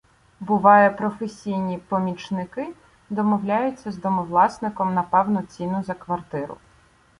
Буває, професійні «помічники» домовляються з домовласником на певну ціну за квартиру